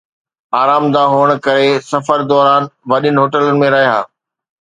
آرامده هئڻ ڪري، سفر دوران وڏين هوٽلن ۾ رهيا